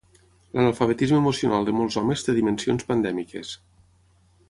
L'analfabetisme emocional de molts homes té dimensions pandèmiques